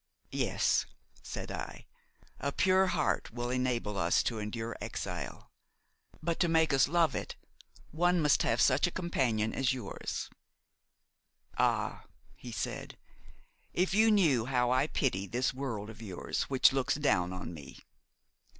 "Yes," said I, "a pure heart will enable us to endure exile; but, to make us love it, one must have such a companion as yours." "Ah!" he said, "if you knew how I pity this world of yours, which looks down on me!"